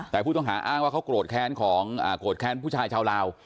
แต่พูดทงหาอ้างว่าเกราะแทนบันผู้ชายชาวราว